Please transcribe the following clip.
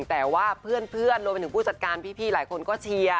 แต่ว่าเพื่อนรวมไปถึงผู้จัดการพี่หลายคนก็เชียร์